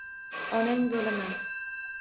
Onang bo`laman